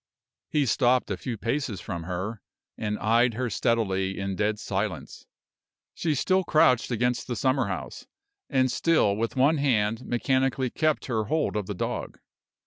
He stopped a few paces from her, and eyed her steadily in dead silence. She still crouched against the summer house, and still with one hand mechanically kept her hold of the dog.